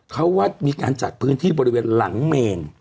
เขาว่ามีการจัดพื้นที่บริเวณหลังเมน